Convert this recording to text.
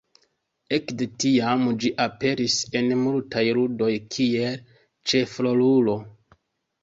Ekde tiam, ĝi aperis en multaj ludoj kiel ĉefrolulo.